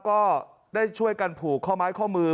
ก็ได้ช่วยกันผูกข้อไม้ข้อมือ